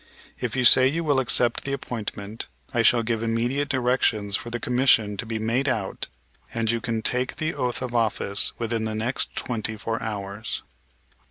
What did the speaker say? If you say you will accept the appointment I shall give immediate directions for the commission to be made out and you can take the oath of office within the next twenty four hours."